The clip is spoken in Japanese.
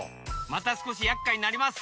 またすこしやっかいになります。